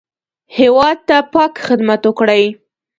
هېواد ته پاک خدمت وکړئ